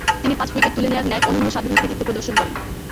তিনি পাঁচ উইকেট তুলে নেয়ার ন্যায় অনন্য সাধারণ কৃতিত্ব প্রদর্শন করেন।